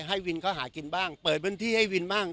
ให้วินเขาหากินบ้างเปิดพื้นที่ให้วินบ้าง